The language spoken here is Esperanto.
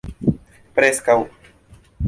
preskaŭ